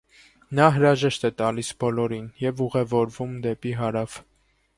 Նա հրաժեշտ է տալիս բոլորին և ուղևորվում է դեպի հարավ։